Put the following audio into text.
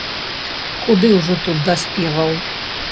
Куды ўжо тут да спеваў!